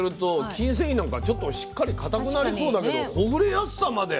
筋線維なんかちょっとしっかりかたくなりそうだけどほぐれやすさまで。